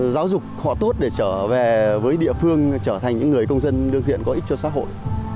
giáo dục họ tốt để trở về với địa phương trở thành những người công dân đương diện có ích cho xã hội